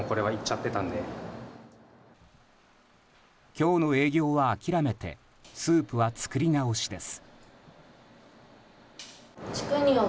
今日の営業は諦めてスープは作り直しです。